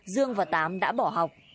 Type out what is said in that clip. dương và tám đã bỏ học